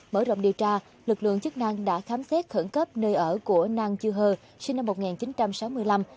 mở rộng điều tra lực lượng chức năng đã khám xét khẩn cấp nơi ở của nang chư hơ sinh năm một nghìn chín trăm sáu mươi năm